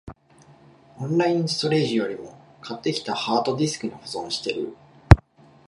オンラインストレージよりも、買ってきたハードディスクに保存してる